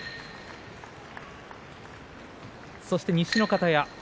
そして西の方屋